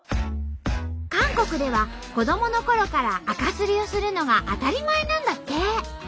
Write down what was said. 韓国では子どものころからあかすりをするのが当たり前なんだって。